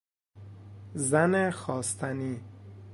زن خواستنی